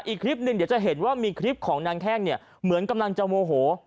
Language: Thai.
อีกคลิปหนึ่งเดี๋ยวจะเห็นว่ามีคลิปของนางแข้งเนี่ยเหมือนกำลังจะโมโห